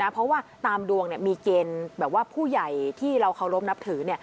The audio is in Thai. เพราะว่าตามดวงมีเกณฑ์แบบว่าผู้ใหญ่ที่เราเคารพนับถือ